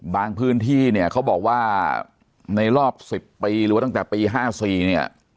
พื้นที่เนี่ยเขาบอกว่าในรอบ๑๐ปีหรือว่าตั้งแต่ปี๕๔เนี่ย